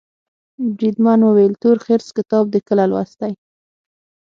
بریدمن وویل تورخرس کتاب دي کله لوستی.